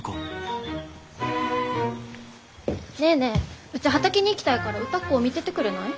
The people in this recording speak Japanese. ネーネーうち畑に行きたいから歌子をみててくれない？